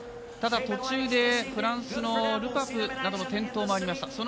ただ、途中でフランスのルパプなども転倒がありました。